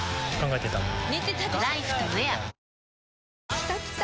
きたきた！